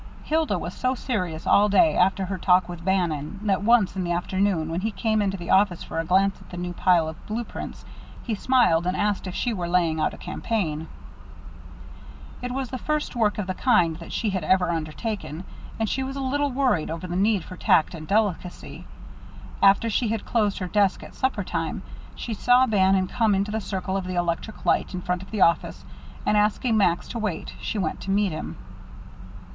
Hilda was so serious all day after her talk with Bannon that once, in the afternoon, when he came into the office for a glance at the new pile of blue prints, he smiled, and asked if she were laying out a campaign. It was the first work of the kind that she had ever undertaken, and she was a little worried over the need for tact and delicacy. After she had closed her desk at supper time, she saw Bannon come into the circle of the electric light in front of the office, and, asking Max to wait, she went to meet him.